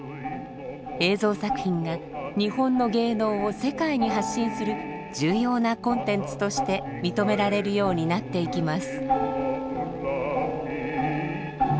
映像作品が日本の芸能を世界に発信する重要なコンテンツとして認められるようになっていきます。